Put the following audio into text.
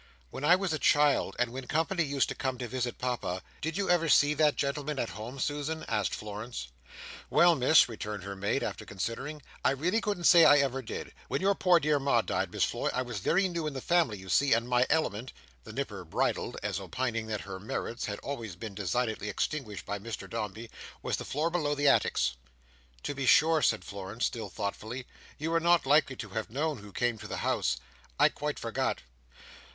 "When I was a child, and when company used to come to visit Papa, did you ever see that gentleman at home, Susan?" asked Florence. "Well, Miss," returned her maid, after considering, "I really couldn't say I ever did. When your poor dear Ma died, Miss Floy, I was very new in the family, you see, and my element:" the Nipper bridled, as opining that her merits had been always designedly extinguished by Mr Dombey: "was the floor below the attics." "To be sure," said Florence, still thoughtfully; "you are not likely to have known who came to the house. I quite forgot."